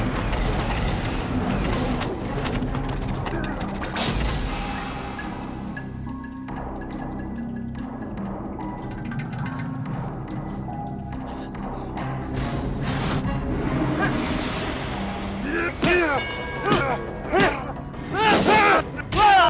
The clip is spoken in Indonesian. mas terang jangan keaman